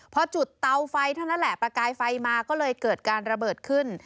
พอจุดเตาไฟเท่านั้นแหละประกายไฟมาก็เลยเกิดการระเบิดขึ้น